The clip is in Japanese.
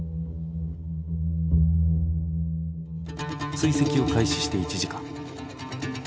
追跡を開始して１時間。